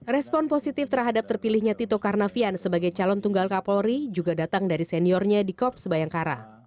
respon positif terhadap terpilihnya tito karnavian sebagai calon tunggal kapolri juga datang dari seniornya di korps bayangkara